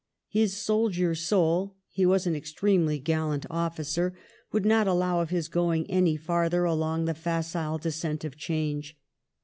His soldier soul (he was an extremely gallant officer) would not allow of his going any farther along the facile descent of change.